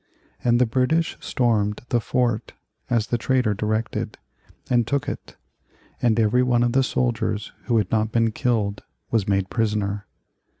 And the British stormed the fort as the traitor directed, and took it, and every one of the soldiers who had not been killed was made prisoner.